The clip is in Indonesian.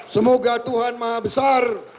semoga tuhan maha besar